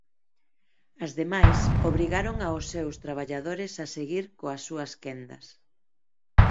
As demais obrigaron aos seus traballadores a seguir coas súas quendas.